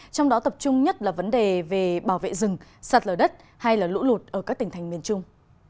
trong đó tập trung nhất là vấn đề về bảo vệ rừng sạt lở đất hay lũ lụt ở các tỉnh thành miền trung